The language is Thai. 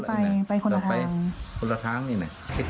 เพราะพ่อเชื่อกับจ้างหักข้าวโพด